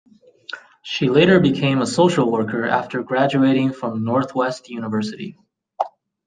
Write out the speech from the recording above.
She later became a social worker after graduating from Northwest University.